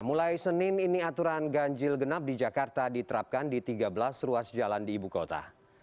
mulai senin ini aturan ganjil genap di jakarta diterapkan di tiga belas ruas jalan di ibu kota